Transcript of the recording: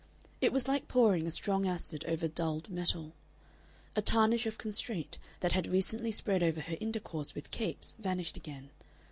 It was like pouring a strong acid over dulled metal. A tarnish of constraint that had recently spread over her intercourse with Capes vanished again.